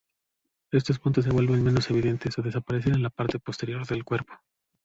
Estos puntos se vuelven menos evidentes o desaparecen en la parte posterior del cuerpo.